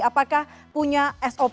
apakah punya sop